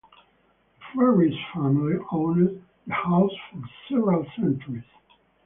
The Ferris family owned the house for several centuries.